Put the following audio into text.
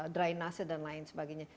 drenase dan lain sebagainya